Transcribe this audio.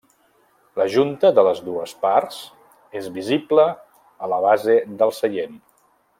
La junta de les dues parts és visible a la base del seient.